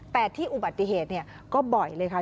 แต่ที่อุบัติเหตุเนี่ยก็บ่อยเลยค่ะ